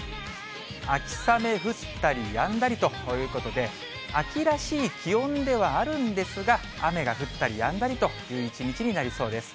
秋雨降ったりやんだりということで、秋らしい気温ではあるんですが、雨が降ったりやんだりという一日になりそうです。